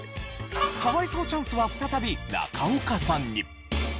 可哀想チャンスは再び中岡さんに。